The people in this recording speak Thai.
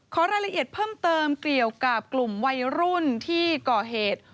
ขอรายละเอียดเพิ่มเติมเกี่ยวกับกลุ่มวัยรุ่นที่ก่อเหตุ